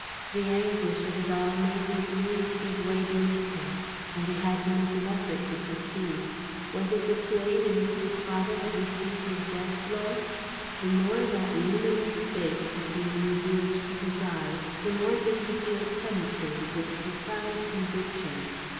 The anguish of it all made his knees give way beneath him; and he had to make an effort to proceed. Was it the glade in which his father had received his death blow? The more that luminous space became revealed to his eyes, the more did he feel penetrated with a profound conviction.